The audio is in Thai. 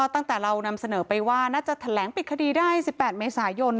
ตั้งแต่เรานำเสนอไปว่าน่าจะแถลงปิดคดีได้๑๘เมษายน